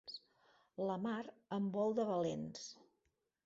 La mar en vol de valents.